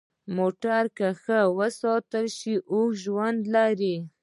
موټر که ښه ساتل شي، اوږد ژوند لري.